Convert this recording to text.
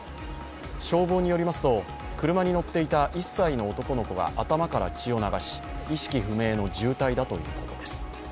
消防によりますと、車に乗っていた１歳の男の子が頭から血を流し意識不明の重体だということです。